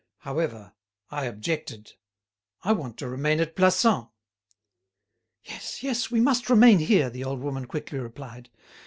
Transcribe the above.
However, I objected; I want to remain at Plassans." "Yes, yes, we must remain here," the old woman quickly replied.